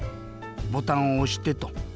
ボタンをおしてと。